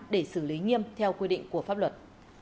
để xử lý nghiêm theo quy định của pháp luật